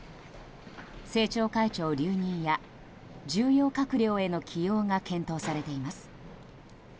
政調会長留任や重要閣僚への起用が検討されています。